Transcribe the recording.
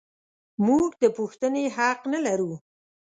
موږ د پوښتنې حق نه لرو.